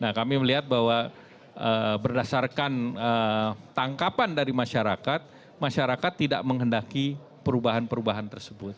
nah kami melihat bahwa berdasarkan tangkapan dari masyarakat masyarakat tidak menghendaki perubahan perubahan tersebut